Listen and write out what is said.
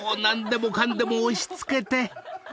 何でもかんでも押し付けて］